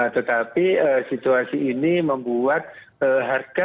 tetapi situasi ini membuat harga sangat jauh